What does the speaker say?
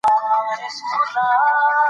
آیا ته په دې مځکه کې ازاد یې او که غلام یې؟